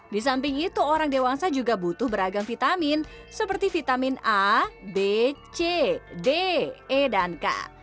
di samping itu orang dewasa juga butuh beragam vitamin seperti vitamin a b c d e dan k